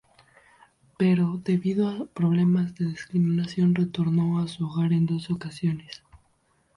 Pero, debido a problemas de discriminación, retornó a su hogar en dos ocasiones.